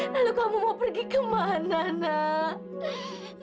lalu kamu mau pergi ke mana nak